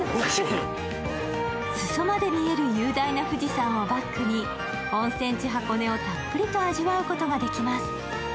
裾まで見える雄大な富士山をバックに温泉地・箱根をたっぷりと味わうことができます。